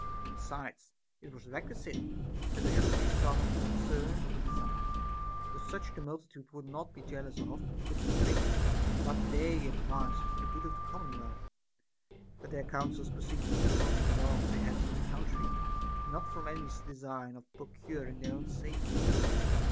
Besides, it was requisite that there should be some unconcerned in the design ; for such the multitude would not be jealous of, but would think what' they advised was for the good of the commonwealth, that their counsels proceeded from the love they had for their country, and not from any design of procuring their own safety.